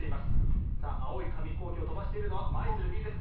さあ青い紙ヒコーキを飛ばしているのは舞鶴Ｂです。